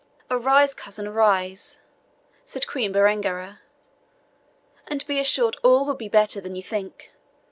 "Arise, cousin, arise," said Queen Berengaria, "and be assured all will be better than you think.